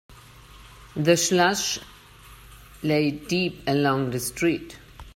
The slush lay deep along the street.